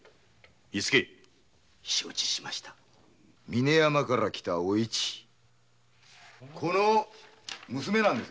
峰山から来たおいちこの娘なんですがね。